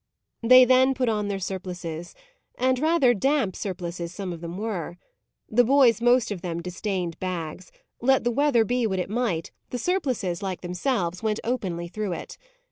They then put on their surplices; and rather damp surplices some of them were. The boys most of them disdained bags; let the weather be what it might, the surplices, like themselves, went openly through it.